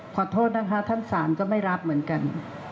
ขอโทษนะคะท่านศาลก็ไม่รับเหมือนกัน